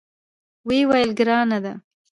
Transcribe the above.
ویې ویل: ګرانه ده.